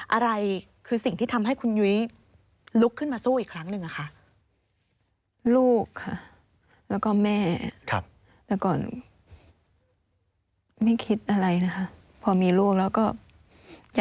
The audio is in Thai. อะไรคือสิ่งที่ทำให้คุณยุย